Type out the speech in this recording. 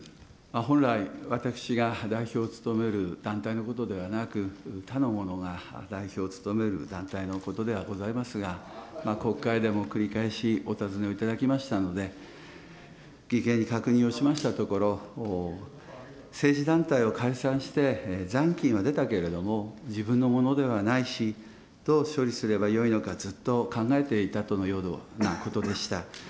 本来、私が代表を務める団体のことではなく、他の者が代表を務める団体のことではございますが、国会でも繰り返しお尋ねを頂きましたので、義兄に確認をいたしましたところ、政治団体を解散して、残金は出たけれども、自分のものではないし、どう処理すればよいのか、ずっと考えていたとのようなことでした。